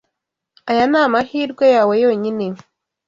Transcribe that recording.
Aya ni amahirwe yawe yonyine.